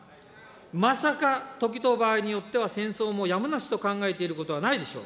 まさか、時と場合によっては戦争もやむなしと考えていることはないでしょう。